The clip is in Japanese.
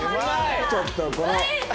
ちょっとこの。